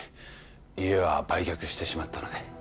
家は売却してしまったので